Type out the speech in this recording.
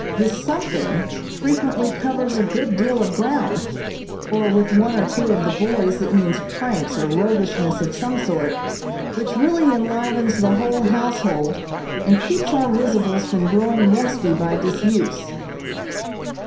This something frequently covers a good deal of ground, for with one or two of the boys it means pranks or roguishness of some sort, which really enlivens the whole household and keeps our risibles from growing rusty by disuse.